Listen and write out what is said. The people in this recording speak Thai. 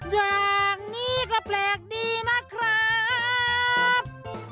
อย่างนี้ก็แปลกดีนะครับ